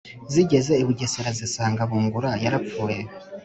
zigeze i bugesera, zisanga bungura yarapfuye.